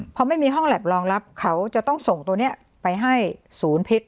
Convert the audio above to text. พอไม่มีห้องแล็บรองรับเขาจะต้องส่งตัวนี้ไปให้ศูนย์พิษ